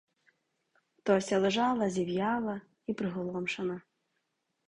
Тося лежала зів'яла й приголомшена.